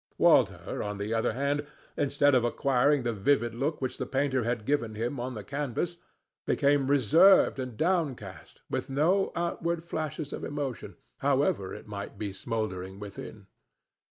Walter, on the other hand, instead of acquiring the vivid look which the painter had given him on the canvas, became reserved and downcast, with no outward flashes of emotion, however it might be smouldering within.